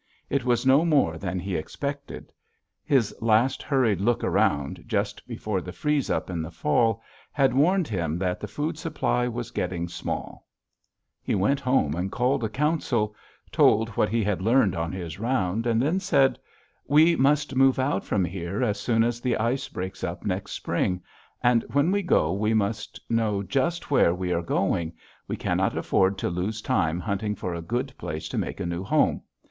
It was no more than he expected; his last hurried look around, just before the freeze up in the fall, had warned him that the food supply was getting small. [Illustration: THE BEAVER DAM] "He went home, and called a council, told what he had learned on his round, and then said: "'We must move out from here as soon as the ice breaks up next spring, and when we go we must know just where we are going; we cannot afford to lose time hunting for a good place to make a new home.